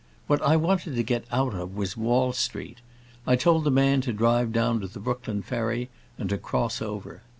What I wanted to get out of was Wall Street. I told the man to drive down to the Brooklyn ferry and to cross over.